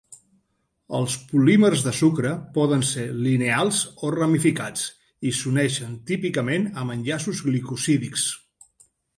Els polímers de sucre poden ser lineals o ramificats i s'uneixen típicament amb enllaços glicosídics.